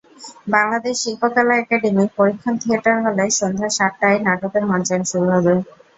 বাংলাদেশ শিল্পকলা একাডেমীর পরীক্ষণ থিয়েটার হলে সন্ধ্যা সাতটায় নাটকের মঞ্চায়ন শুরু হবে।